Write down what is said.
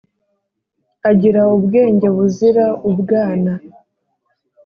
agira ubwenge buzira ubwana